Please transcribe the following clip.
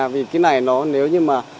vì cái này nó nếu như mà